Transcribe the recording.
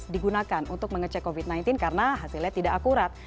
digunakan untuk mengecek covid sembilan belas karena hasilnya tidak akurat